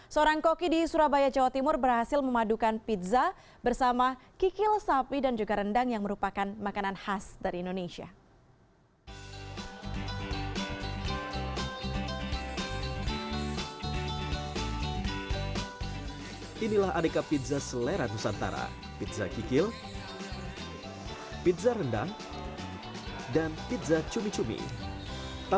seorang koki di surabaya jawa timur berhasil memadukan pizza bersama kikil sapi dan juga rendang yang merupakan makanan khas dari indonesia